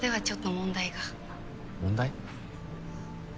問題？